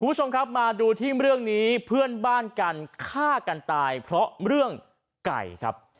คุณผู้ชมครับมาดูที่เรื่องนี้เพื่อนบ้านกันฆ่ากันตายเพราะเรื่องไก่ครับ